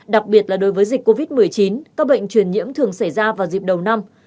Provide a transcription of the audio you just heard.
đặc biệt là đối với dịch covid một mươi chín các bệnh truyền nhiễm thường xảy ra vào dịp đầu năm